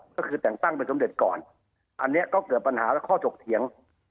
ก็คือแต่งตั้งเป็นสมเด็จก่อนอันนี้ก็เกิดปัญหาและข้อถกเถียง